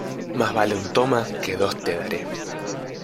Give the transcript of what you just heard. Más vale un "toma" que dos "te daré".